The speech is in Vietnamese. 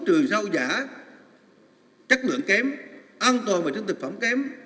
trừ rau giả chất lượng kém an toàn về chất thực phẩm kém